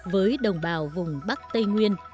với đồng bào vùng bắc tây nguyên